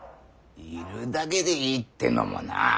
いるだけでいいってのもなあ。